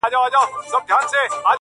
مخ به در واړوم خو نه پوهېږم _